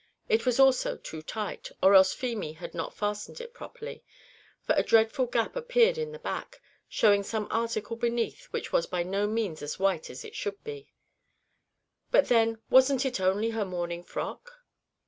It was also too tight, or else Feemy had not fastened it properly, for a dreadful gap appeared in the back, showing some article beneath which was by no means as white as it should be; "but then, wasn't it only her morning frock?"